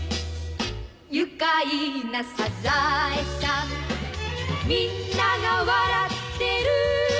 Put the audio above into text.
「愉快なサザエさん」「みんなが笑ってる」